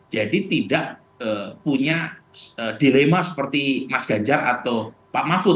jadi tidak punya dilema seperti mas ganjar atau pak mahfud